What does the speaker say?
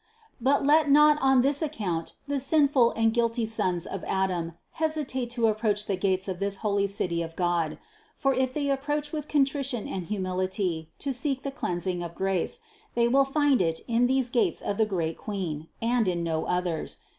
But let not on this account the sinful and guilty sons of Adam hesitate to approach the gates of this holy City of God; for if they approach with con trition and humility to seek the cleansing of grace, they will find it in these gates of the great Queen, and in no others.